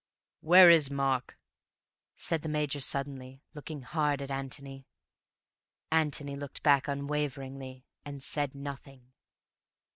"Where is Mark?" said the Major suddenly, looking hard at Antony. Antony looked back unwaveringly—and said nothing.